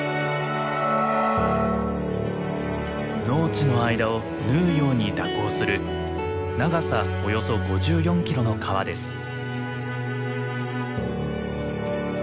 農地の間を縫うように蛇行する長さおよそ５４キロの川です。